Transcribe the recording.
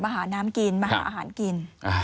หาน้ำกินมาหาอาหารกิน